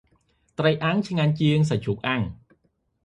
ត្រីអាំង ឆ្ងាញ់ជាង សាច់ជ្រូកអាំង។